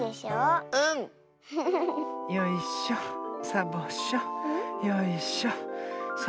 よいしょさぼしょよいしょさ